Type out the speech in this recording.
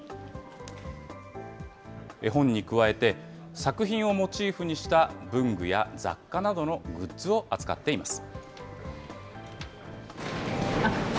絵本に加えて、作品をモチーフにした文具や雑貨などのグッズを扱っています。